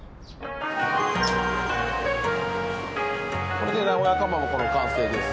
これで名古屋かまぼこの完成です。